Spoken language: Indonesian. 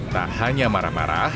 tak hanya marah marah